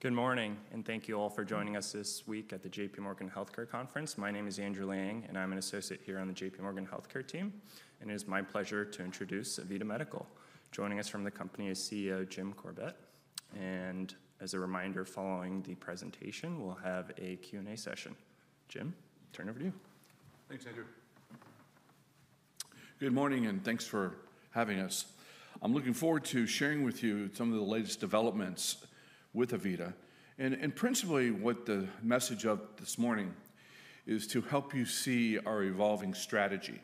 Good morning, and thank you all for joining us this week at the JPMorgan Healthcare Conference. My name is Andrew Liang, and I'm an associate here on the JPMorgan Healthcare team. And it is my pleasure to introduce AVITA Medical. Joining us from the company is CEO Jim Corbett. And as a reminder, following the presentation, we'll have a Q&A session. Jim, turn it over to you. Thanks, Andrew. Good morning, and thanks for having us. I'm looking forward to sharing with you some of the latest developments with AVITA, and principally, what the message of this morning is to help you see our evolving strategy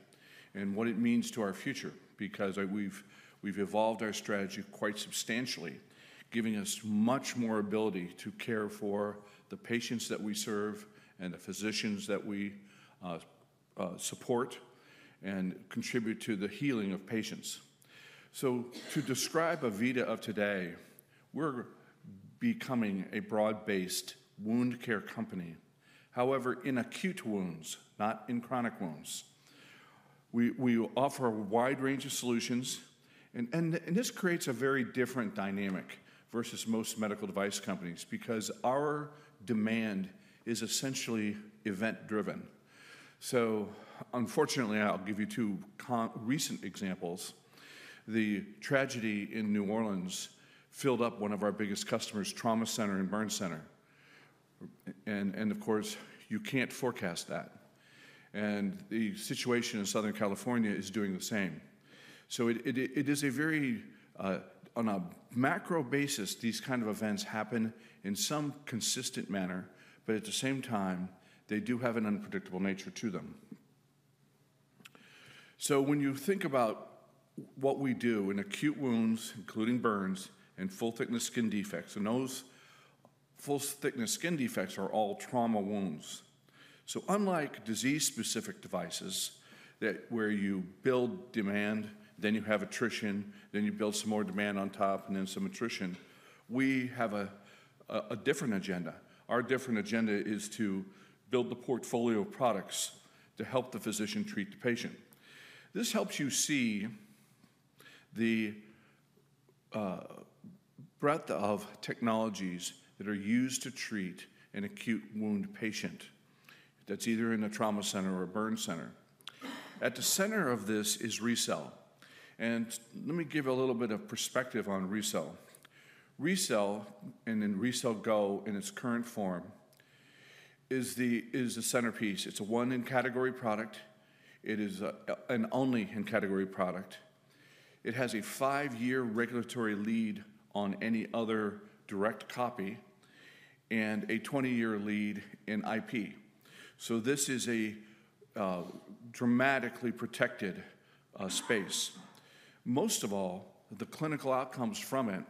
and what it means to our future, because we've evolved our strategy quite substantially, giving us much more ability to care for the patients that we serve and the physicians that we support and contribute to the healing of patients. To describe AVITA of today, we're becoming a broad-based wound care company. However, in acute wounds, not in chronic wounds. We offer a wide range of solutions, and this creates a very different dynamic versus most medical device companies, because our demand is essentially event-driven. Unfortunately, I'll give you two recent examples. The tragedy in New Orleans filled up one of our biggest customers, trauma center and burn center. And of course, you can't forecast that. And the situation in Southern California is doing the same. So, it is a very, on a macro basis, these kinds of events happen in some consistent manner, but at the same time, they do have an unpredictable nature to them. So, when you think about what we do in acute wounds, including burns and full-thickness skin defects, and those full-thickness skin defects are all trauma wounds. So, unlike disease-specific devices where you build demand, then you have attrition, then you build some more demand on top, and then some attrition, we have a different agenda. Our different agenda is to build the portfolio of products to help the physician treat the patient. This helps you see the breadth of technologies that are used to treat an acute wound patient that's either in a trauma center or a burn center. At the center of this is RECELL. Let me give you a little bit of perspective on RECELL. RECELL, and then RECELL GO in its current form, is the centerpiece. It's a one-in-category product. It is an only-in-category product. It has a five-year regulatory lead on any other direct copy and a 20-year lead in IP. This is a dramatically protected space. Most of all, the clinical outcomes from it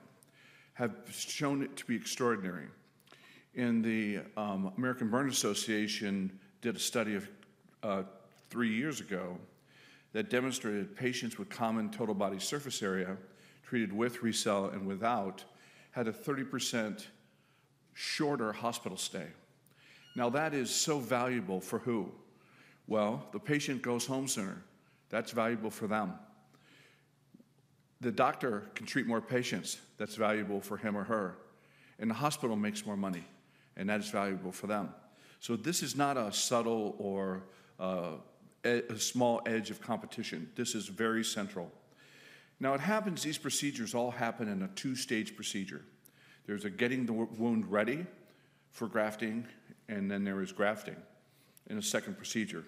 have shown to be extraordinary. The American Burn Association did a study three years ago that demonstrated patients with common total body surface area treated with RECELL and without had a 30% shorter hospital stay. Now, that is so valuable for who? The patient goes home sooner. That's valuable for them. The doctor can treat more patients. That's valuable for him or her. The hospital makes more money, and that is valuable for them. So, this is not a subtle or a small edge of competition. This is very central. Now, it happens these procedures all happen in a two-stage procedure. There's a getting the wound ready for grafting, and then there is grafting in a second procedure.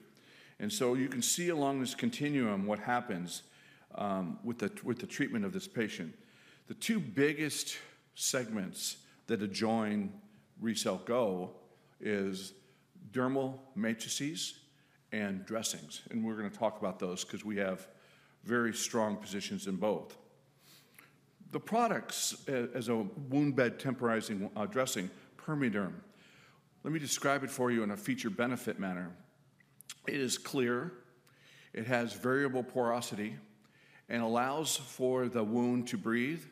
And so, you can see along this continuum what happens with the treatment of this patient. The two biggest segments that adjoin RECELL GO are dermal matrices and dressings. And we're going to talk about those because we have very strong positions in both. The products as a wound bed temporizing dressing, PermeaDerm, let me describe it for you in a feature benefit manner. It is clear. It has variable porosity and allows for the wound to breathe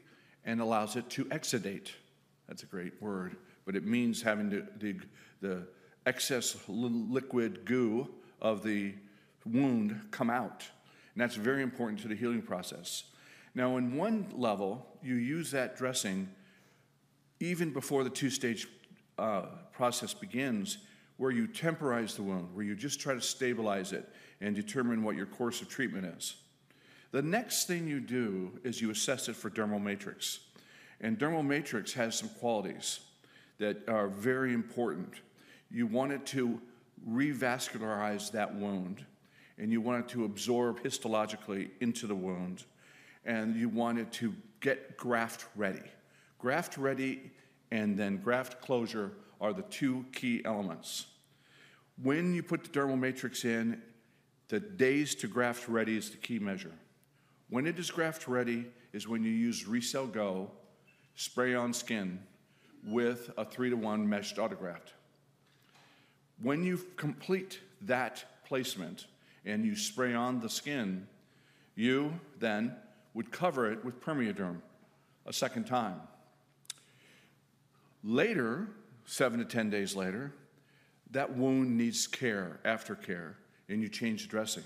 and allows it to exudate. That's a great word, but it means having the excess liquid goo of the wound come out. That's very important to the healing process. Now, on one level, you use that dressing even before the two-stage process begins where you temporize the wound, where you just try to stabilize it and determine what your course of treatment is. The next thing you do is you assess it for dermal matrix. Dermal matrix has some qualities that are very important. You want it to revascularize that wound, and you want it to absorb histologically into the wound, and you want it to get graft ready. Graft ready and then graft closure are the two key elements. When you put the dermal matrix in, the days to graft ready is the key measure. When it is graft ready is when you use RECELL GO Spray-On Skin with a three-to-one meshed autograft. When you complete that placement and you spray on the skin, you then would cover it with PermeaDerm a second time. Later, seven to 10 days later, that wound needs care after care, and you change dressing.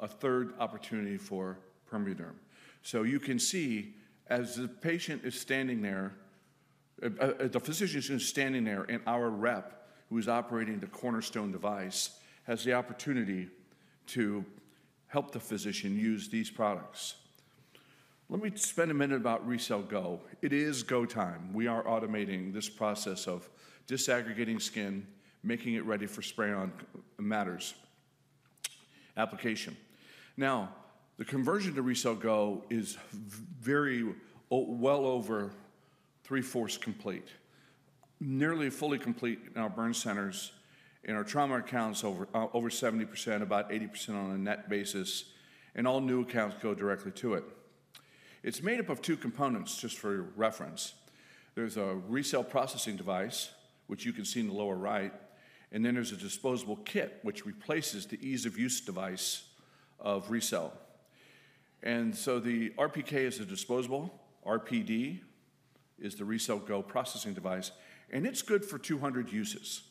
A third opportunity for PermeaDerm. So, you can see as the patient is standing there, the physician is standing there and our rep, who is operating the cornerstone device, has the opportunity to help the physician use these products. Let me spend a minute about RECELL GO. It is go time. We are automating this process of disaggregating skin, making it ready for Spray-On matrix application. Now, the conversion to RECELL GO is very well over three-fourths complete. Nearly fully complete in our burn centers. In our trauma accounts, over 70%, about 80% on a net basis. And all new accounts go directly to it. It's made up of two components, just for reference. There's a RECELL processing device, which you can see in the lower right. And then there's a disposable kit, which replaces the ease-of-use device of RECELL. And so, the RPK is a disposable. RPD is the RECELL GO processing device. And it's good for 200 uses.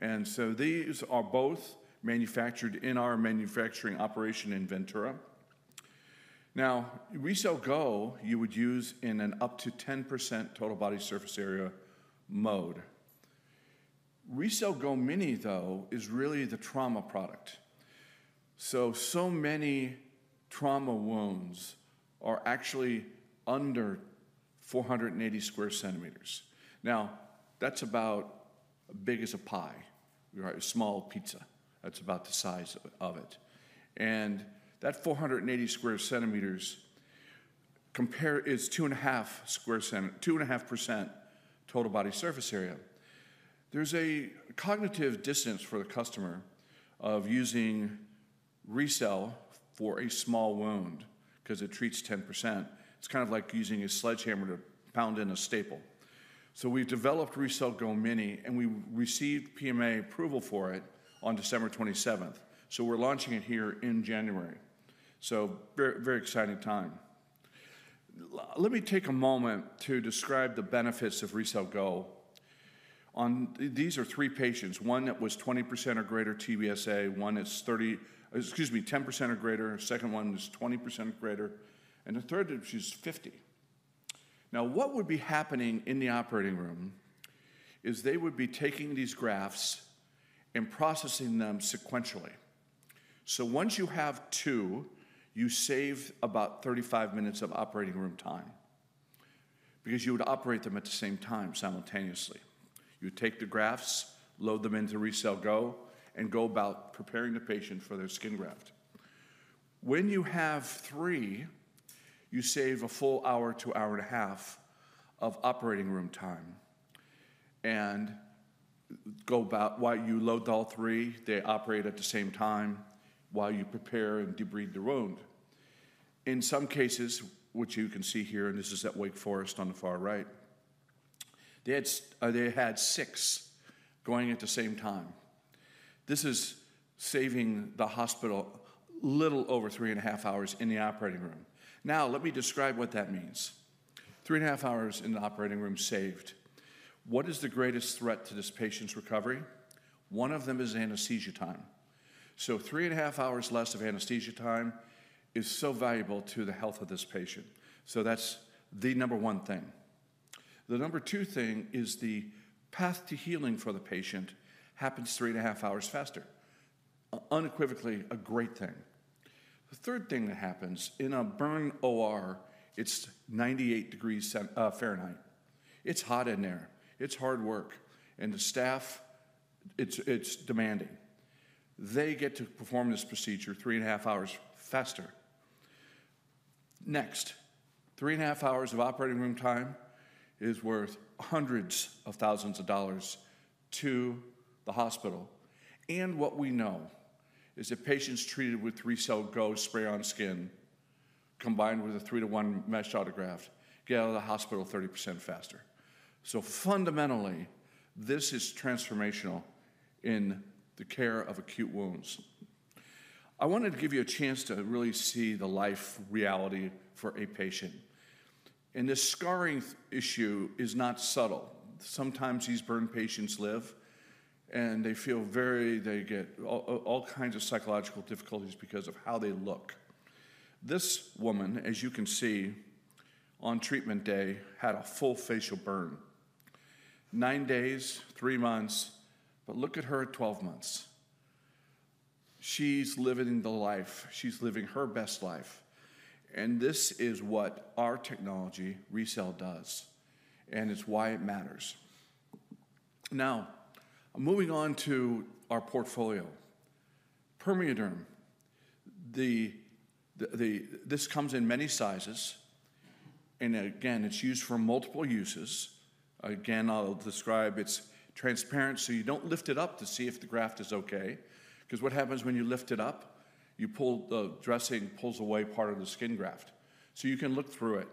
And so, these are both manufactured in our manufacturing operation in Ventura. Now, RECELL GO you would use in an up to 10% total body surface area mode. RECELL GO mini, though, is really the trauma product. So, so many trauma wounds are actually under 480 square centimeters. Now, that's about as big as a pie, a small pizza. That's about the size of it. And that 480 square centimeters compares to 2.5% total body surface area. There's a cognitive distance for the customer of using RECELL for a small wound because it treats 10%. It's kind of like using a sledgehammer to pound in a staple. So, we've developed RECELL GO mini, and we received PMA approval for it on December 27th. So, we're launching it here in January. So, very exciting time. Let me take a moment to describe the benefits of RECELL GO. These are three patients. One that was 20% or greater TBSA, one that's 30, excuse me, 10% or greater. Second one is 20% or greater. And the third is 50%. Now, what would be happening in the operating room is they would be taking these grafts and processing them sequentially. So, once you have two, you save about 35 minutes of operating room time because you would operate them at the same time simultaneously. You take the grafts, load them into RECELL GO, and go about preparing the patient for their skin graft. When you have three, you save a full hour to hour and a half of operating room time and go about while you load all three, they operate at the same time while you prepare and debride the wound. In some cases, which you can see here, and this is at Wake Forest on the far right, they had six going at the same time. This is saving the hospital a little over three and a half hours in the operating room. Now, let me describe what that means. Three and a half hours in the operating room saved. What is the greatest threat to this patient's recovery? One of them is anesthesia time. Three and a half hours less of anesthesia time is so valuable to the health of this patient. That's the number one thing. The number two thing is the path to healing for the patient happens three and a half hours faster. Unequivocally a great thing. The third thing that happens in a burn OR, it's 98 degrees Fahrenheit. It's hot in there. It's hard work. And the staff, it's demanding. They get to perform this procedure three and a half hours faster. Next, three and a half hours of operating room time is worth hundreds of thousands of dollars to the hospital. And what we know is that patients treated with RECELL GO Spray-On Skin combined with a three-to-one meshed autograft get out of the hospital 30% faster. Fundamentally, this is transformational in the care of acute wounds. I wanted to give you a chance to really see the life reality for a patient, and this scarring issue is not subtle. Sometimes these burn patients live and they feel very, they get all kinds of psychological difficulties because of how they look. This woman, as you can see on treatment day, had a full facial burn. Nine days, three months, but look at her at 12 months. She's living the life. She's living her best life, and this is what our technology, RECELL, does. And it's why it matters. Now, moving on to our portfolio, PermeaDerm. This comes in many sizes, and again, it's used for multiple uses. Again, I'll describe its transparency. You don't lift it up to see if the graft is okay because what happens when you lift it up, you pull the dressing away, part of the skin graft. So, you can look through it.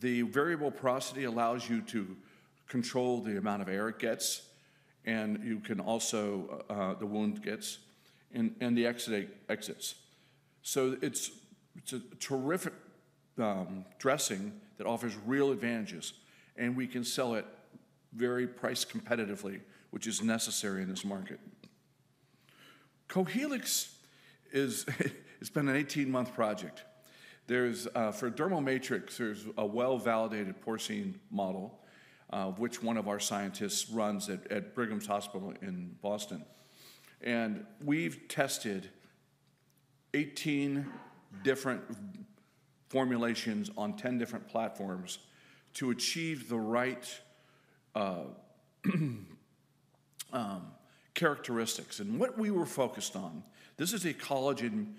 The variable porosity allows you to control the amount of air it gets. And you can also, the wound gets and the exudate exits. So, it's a terrific dressing that offers real advantages. And we can sell it very price competitively, which is necessary in this market. Cohealyx has been an 18-month project. There's for dermal matrix, there's a well-validated porcine model, which one of our scientists runs at Brigham and Women's Hospital in Boston. And we've tested 18 different formulations on 10 different platforms to achieve the right characteristics. And what we were focused on, this is a collagen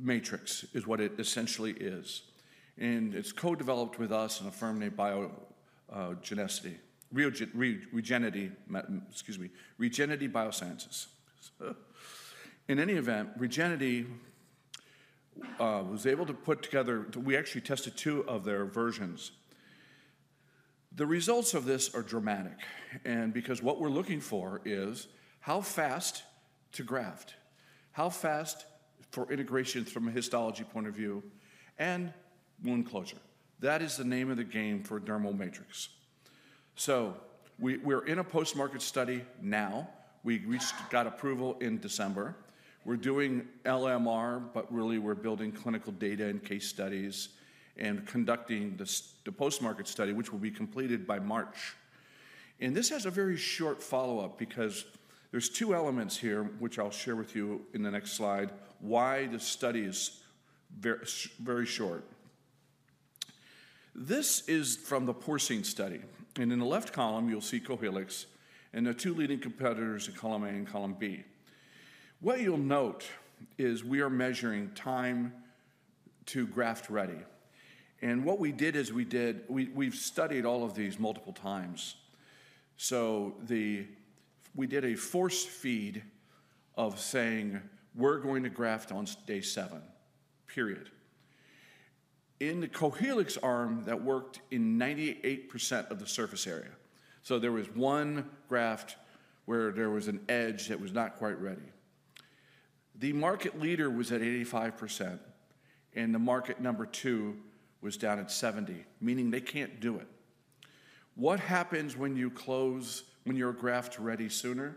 matrix is what it essentially is. And it's co-developed with us and a firm named Regenity, excuse me, Regenity Biosciences. In any event, Regenity was able to put together, we actually tested two of their versions. The results of this are dramatic because what we're looking for is how fast to graft, how fast for integration from a histology point of view, and wound closure. That is the name of the game for dermal matrix. We're in a post-market study now. We got approval in December. We're doing LMR, but really we're building clinical data and case studies and conducting the post-market study, which will be completed by March. This has a very short follow-up because there's two elements here, which I'll share with you in the next slide, why the study is very short. This is from the porcine study. In the left column, you'll see Cohealyx and the two leading competitors in column A and column B. What you'll note is we are measuring time to graft ready. What we did is, we've studied all of these multiple times. So, we did a force feed of saying, "We're going to graft on day seven." In the Cohealyx arm that worked in 98% of the surface area. So, there was one graft where there was an edge that was not quite ready. The market leader was at 85%, and the market number two was down at 70%, meaning they can't do it. What happens when you close when your graft's ready sooner?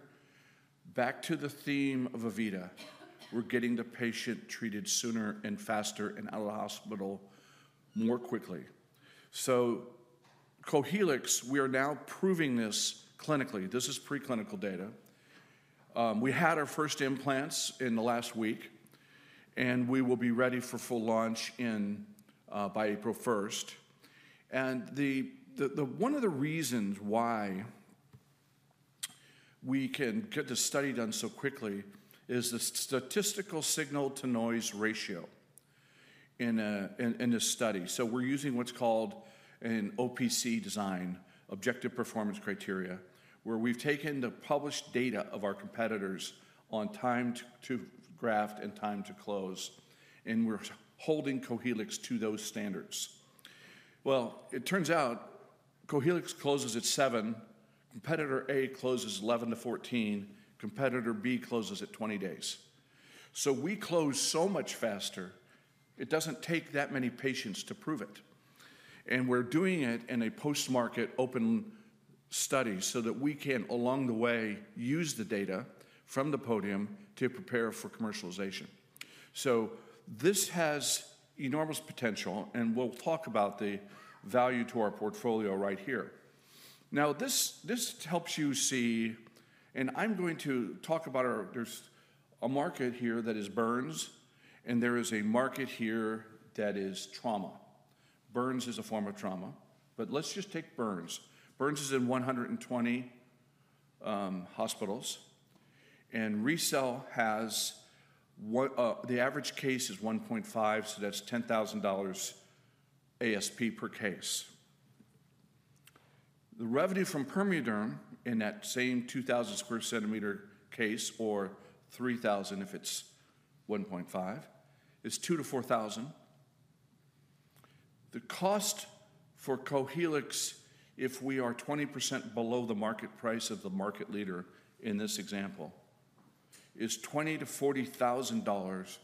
Back to the theme of AVITA. We're getting the patient treated sooner and faster and out of the hospital more quickly. So, Cohealyx, we are now proving this clinically. This is preclinical data. We had our first implants last week, and we will be ready for full launch by April 1st. One of the reasons why we can get the study done so quickly is the statistical signal-to-noise ratio in this study. We're using what's called an OPC design, objective performance criteria, where we've taken the published data of our competitors on time to graft and time to close. We're holding Cohealyx to those standards. It turns out Cohealyx closes at seven. Competitor A closes 11 days-14 days. Competitor B closes at 20 days. We close so much faster. It doesn't take that many patients to prove it. We're doing it in a post-market open study so that we can, along the way, use the data from the podium to prepare for commercialization. This has enormous potential, and we'll talk about the value to our portfolio right here. Now, this helps you see, and I'm going to talk about our. There's a market here that is burns, and there is a market here that is trauma. Burns is a form of trauma, but let's just take burns. Burns is in 120 hospitals, and RECELL has the average case is 1.5, so that's $10,000 ASP per case. The revenue from PermeaDerm in that same 2,000 square centimeter case or 3,000 if it's 1.5 is $2,000-$4,000. The cost for Cohealyx, if we are 20% below the market price of the market leader in this example, is $20,000-$40,000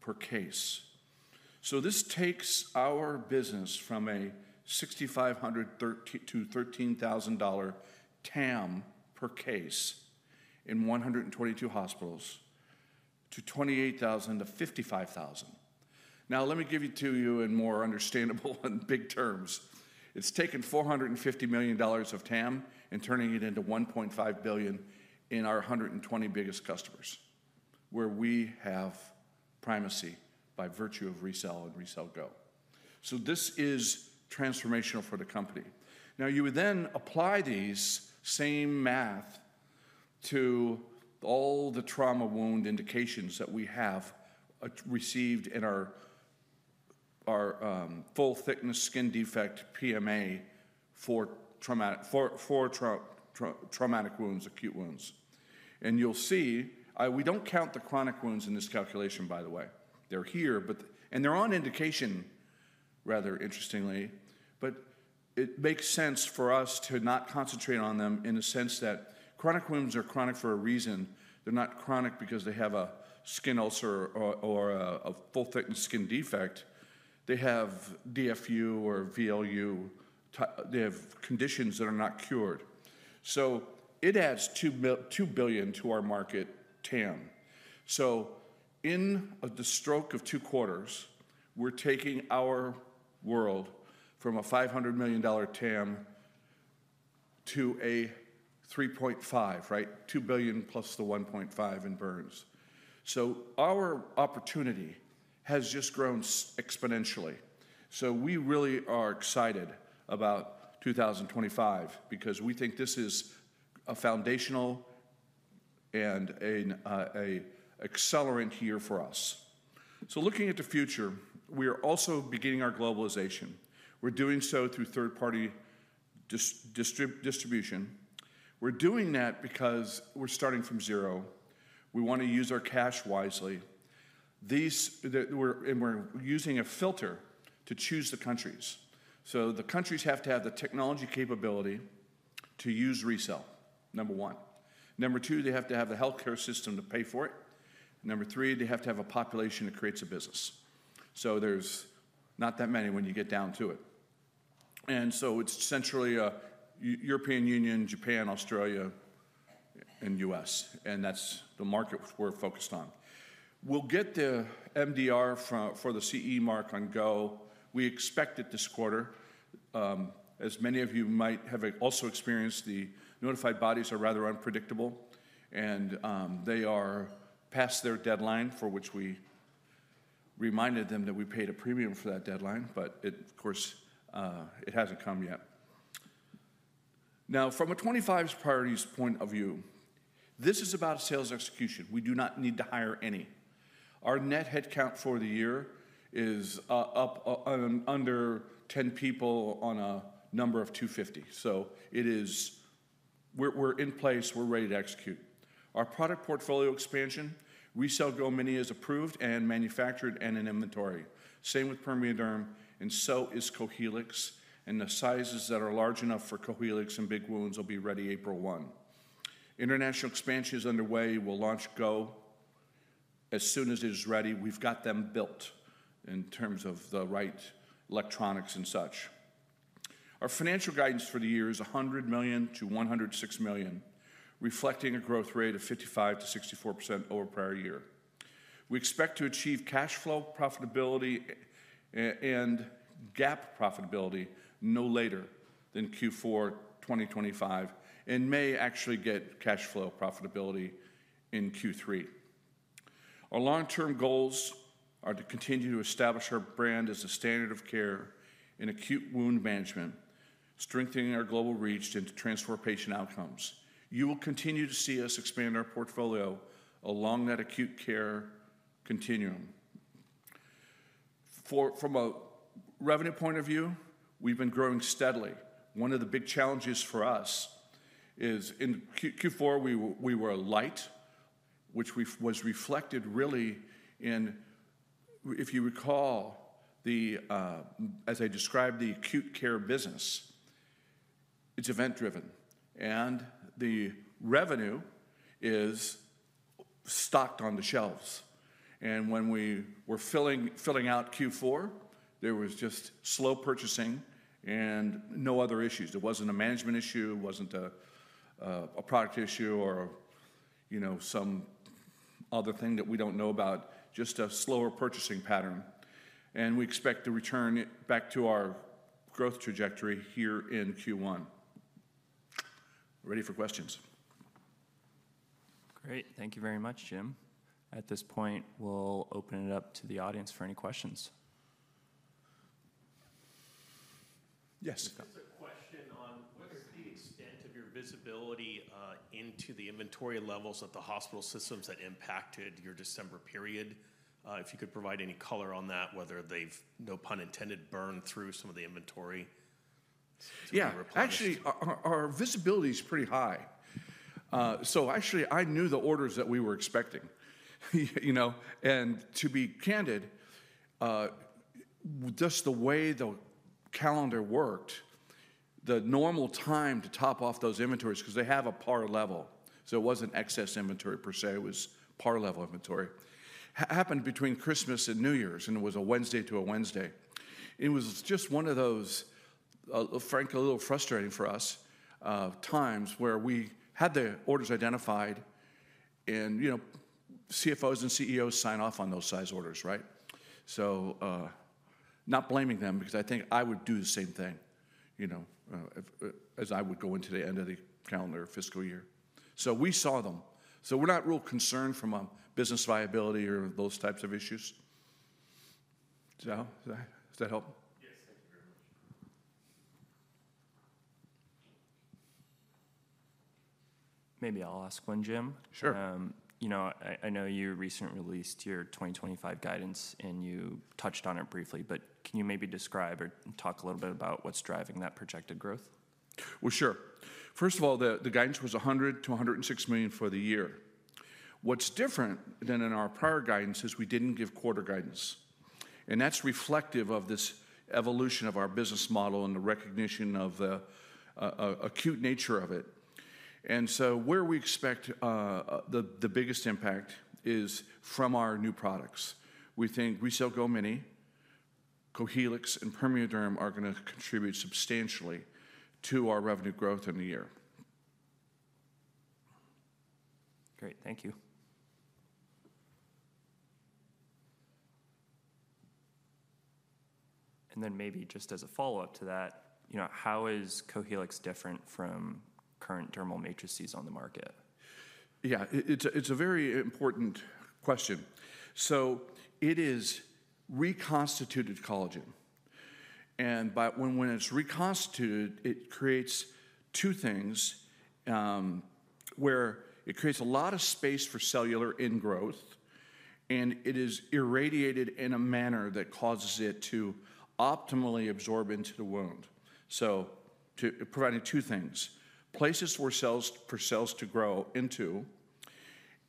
per case. So, this takes our business from a $6,500-$13,000 dollar TAM per case in 122 hospitals to $28,000-$55,000. Now, let me give it to you in more understandable and big terms. It's taken $450 million of TAM and turning it into $1.5 billion in our 120 biggest customers, where we have primacy by virtue of RECELL and RECELL GO, so this is transformational for the company. Now, you would then apply these same math to all the trauma wound indications that we have received in our full thickness skin defect PMA for traumatic wounds, acute wounds, and you'll see, we don't count the chronic wounds in this calculation, by the way. They're here, but, and they're on indication, rather interestingly, but it makes sense for us to not concentrate on them in the sense that chronic wounds are chronic for a reason. They're not chronic because they have a skin ulcer or a full thickness skin defect. They have DFU or VLU. They have conditions that are not cured, so it adds $2 billion to our market TAM. So, in the stroke of two quarters, we're taking our world from a $500 million TAM to a $3.5 billion, right? $2 billion plus the $1.5 billion in burns. So, our opportunity has just grown exponentially. So, we really are excited about 2025 because we think this is a foundational and an accelerant year for us. So, looking at the future, we are also beginning our globalization. We're doing so through third-party distribution. We're doing that because we're starting from zero. We want to use our cash wisely. And we're using a filter to choose the countries. So, the countries have to have the technology capability to use RECELL, number one. Number two, they have to have the healthcare system to pay for it. Number three, they have to have a population that creates a business. So, there's not that many when you get down to it. And so, it's essentially European Union, Japan, Australia, and U.S. And that's the market we're focused on. We'll get the MDR for the CE mark on RECELL GO. We expect it this quarter. As many of you might have also experienced, the notified bodies are rather unpredictable. And they are past their deadline for which we reminded them that we paid a premium for that deadline, but of course, it hasn't come yet. Now, from a 2025's priorities point of view, this is about sales execution. We do not need to hire any. Our net headcount for the year is up under 10 people on a number of 250. So, we're in place. We're ready to execute. Our product portfolio expansion, RECELL GO Mini is approved and manufactured and in inventory. Same with PermeaDerm. And so is Cohealyx. The sizes that are large enough for Cohealyx and big wounds will be ready April 1. International expansion is underway. We'll launch GO as soon as it is ready. We've got them built in terms of the right electronics and such. Our financial guidance for the year is $100 million-$106 million, reflecting a growth rate of 55%-64% over prior year. We expect to achieve cash flow profitability and GAAP profitability no later than Q4 2025 and may actually get cash flow profitability in Q3. Our long-term goals are to continue to establish our brand as a standard of care in acute wound management, strengthening our global reach and to transform patient outcomes. You will continue to see us expand our portfolio along that acute care continuum. From a revenue point of view, we've been growing steadily. One of the big challenges for us is in Q4, we were light, which was reflected really in, if you recall, as I described the acute care business; it's event-driven, and the revenue is stocked on the shelves, and when we were filling out Q4, there was just slow purchasing and no other issues. It wasn't a management issue. It wasn't a product issue or some other thing that we don't know about, just a slower purchasing pattern, and we expect to return back to our growth trajectory here in Q1. Ready for questions. Great. Thank you very much, Jim. At this point, we'll open it up to the audience for any questions. Yes. There's a question on what is the extent of your visibility into the inventory levels of the hospital systems that impacted your December period? If you could provide any color on that, whether they've, no pun intended, burned through some of the inventory. Yeah. Actually, our visibility is pretty high. So, actually, I knew the orders that we were expecting. And to be candid, just the way the calendar worked, the normal time to top off those inventories, because they have a par level, so it wasn't excess inventory per se. It was par level inventory, happened between Christmas and New Year's, and it was a Wednesday to a Wednesday. It was just one of those, frankly, a little frustrating for us times where we had the orders identified, and CFOs and CEOs sign off on those size orders, right? So, not blaming them because I think I would do the same thing as I would go into the end of the calendar fiscal year. So, we saw them. So, we're not real concerned from a business viability or those types of issues. Does that help? Yes. Thank you very much. Maybe I'll ask one, Jim. Sure. I know you recently released your 2025 guidance, and you touched on it briefly, but can you maybe describe or talk a little bit about what's driving that projected growth? Well, sure. First of all, the guidance was $100 million-$106 million for the year. What's different than in our prior guidance is we didn't give quarter guidance. And that's reflective of this evolution of our business model and the recognition of the acute nature of it. And so, where we expect the biggest impact is from our new products. We think RECELL GO Mini, Cohealyx, and PermeaDerm are going to contribute substantially to our revenue growth in the year. Great. Thank you. And then maybe just as a follow-up to that, how is Cohealyx different from current dermal matrices on the market? Yeah. It's a very important question. So, it is reconstituted collagen. And when it's reconstituted, it creates two things where it creates a lot of space for cellular ingrowth, and it is irradiated in a manner that causes it to optimally absorb into the wound. So, providing two things: places for cells to grow into,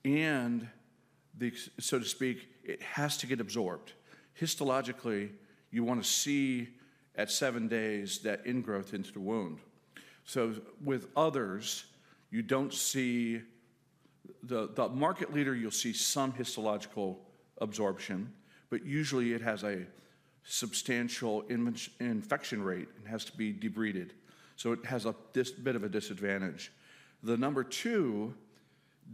and so to speak, it has to get absorbed. Histologically, you want to see at seven days that ingrowth into the wound. So, with others, you don't see the market leader. You'll see some histological absorption, but usually it has a substantial infection rate and has to be debrided. So, it has a bit of a disadvantage. The number two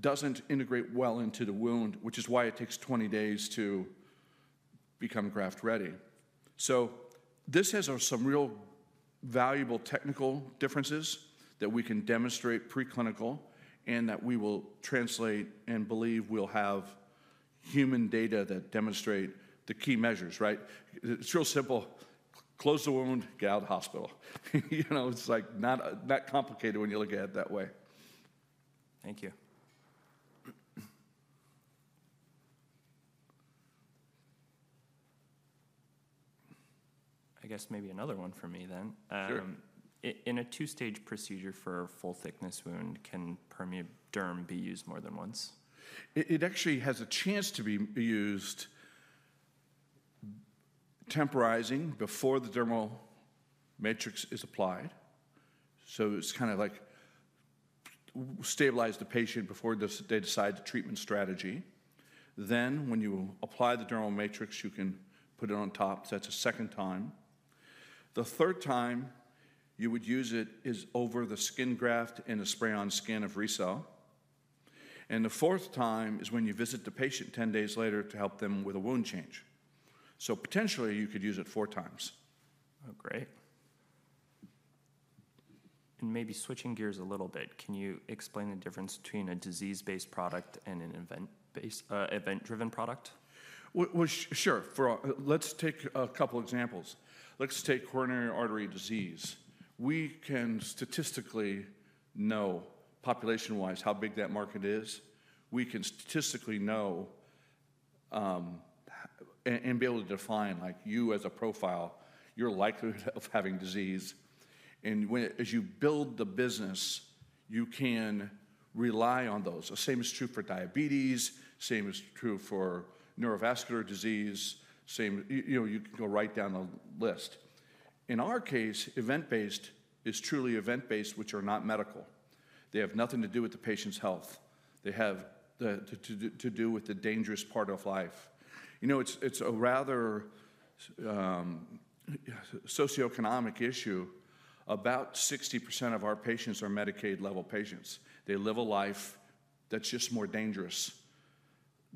doesn't integrate well into the wound, which is why it takes 20 days to become graft ready. So, this has some real valuable technical differences that we can demonstrate preclinical and that we will translate and believe we'll have human data that demonstrate the key measures, right? It's real simple. Close the wound, get out of the hospital. It's like not complicated when you look at it that way. Thank you. I guess maybe another one for me then. Sure. In a two-stage procedure for a full thickness wound, can PermeaDerm be used more than once? It actually has a chance to be used temporizing before the dermal matrix is applied. So, it's kind of like stabilize the patient before they decide the treatment strategy. Then, when you apply the dermal matrix, you can put it on top. That's a second time. The third time you would use it is over the skin graft and a Spray-On Skin of RECELL. And the fourth time is when you visit the patient 10 days later to help them with a wound change. So, potentially, you could use it four times. Oh, great. And maybe switching gears a little bit, can you explain the difference between a disease-based product and an event-driven product? Sure. Let's take a couple of examples. Let's take coronary artery disease. We can statistically know population-wise how big that market is. We can statistically know and be able to define, like you as a profile, your likelihood of having disease. And as you build the business, you can rely on those. The same is true for diabetes. Same is true for neurovascular disease. You can go right down the list. In our case, event-based is truly event-based, which are not medical. They have nothing to do with the patient's health. They have to do with the dangerous part of life. It's a rather socioeconomic issue. About 60% of our patients are Medicaid-level patients. They live a life that's just more dangerous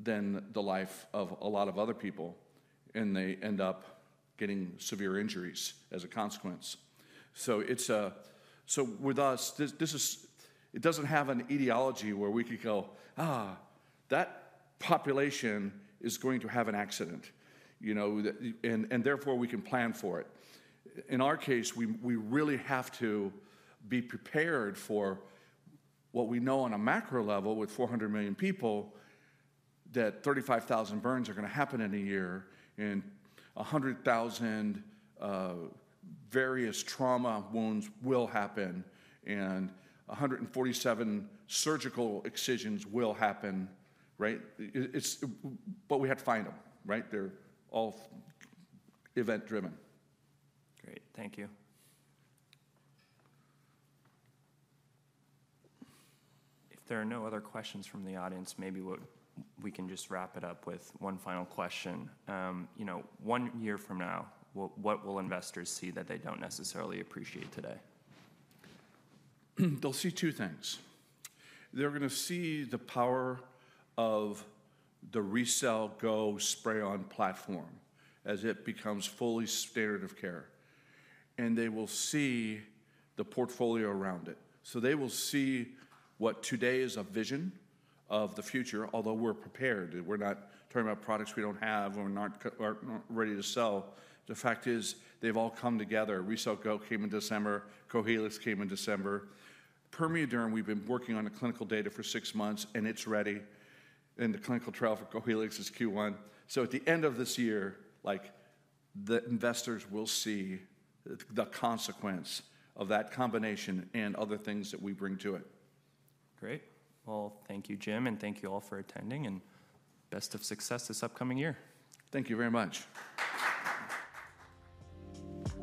than the life of a lot of other people, and they end up getting severe injuries as a consequence. So, with us, it doesn't have an etiology where we could go, that population is going to have an accident," and therefore we can plan for it. In our case, we really have to be prepared for what we know on a macro level with 400 million people that 35,000 burns are going to happen in a year and 100,000 various trauma wounds will happen and 147 surgical excisions will happen, right? But we had to find them, right? They're all event-driven. Great. Thank you. If there are no other questions from the audience, maybe we can just wrap it up with one final question. One year from now, what will investors see that they don't necessarily appreciate today? They'll see two things. They're going to see the power of the RECELL GO Spray-On platform as it becomes fully standard of care, and they will see the portfolio around it, so they will see what today is a vision of the future, although we're prepared. We're not talking about products we don't have or are not ready to sell. The fact is they've all come together. RECELL GO came in December. Cohealyx came in December. PermeaDerm, we've been working on the clinical data for six months, and it's ready, and the clinical trial for Cohealyx is Q1, so at the end of this year, the investors will see the consequence of that combination and other things that we bring to it. Great. Well, thank you, Jim. And thank you all for attending. And best of success this upcoming year. Thank you very much.